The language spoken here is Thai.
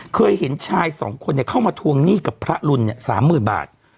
เคยเห็นชายสองคนเนี้ยเข้ามาทวงหนี้กับพระรุนเนี้ยสามหมื่นบาท